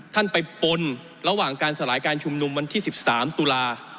ท่านไปปนระหว่างการสลายการชุมนุมวันที่๑๓ตุลา